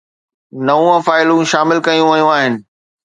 نو فائلون شامل ڪيون ويون آهن